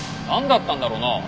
なんだったんだろうな？